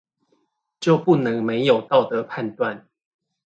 就不能沒有道德判斷